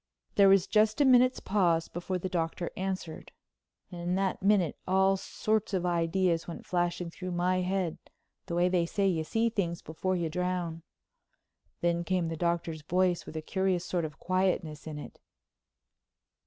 There was just a minute's pause before the Doctor answered. In that minute all sorts of ideas went flashing through my head the way they say you see things before you drown. Then came the Doctor's voice with a curious sort of quietness in it.